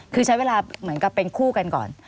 คือใช้เวลาเหมือนกับเป็นคู่กันก่อน